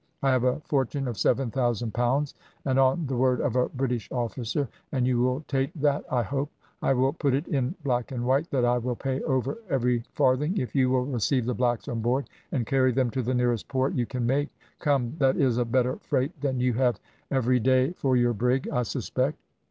I have a fortune of 7000 pounds, and on the word of a British officer and you will take that I hope I will put it in black and white, that I will pay over every farthing, if you will receive the blacks on board, and carry them to the nearest port you can make. Come, that is a better freight than you have every day for your brig, I suspect?'